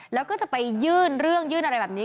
แล้วก็จะไปยื่นเรื่องยื่นอะไรแบบนี้